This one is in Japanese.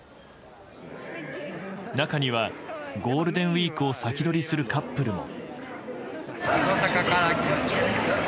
中には、ゴールデンウィークを先取りするカップルも。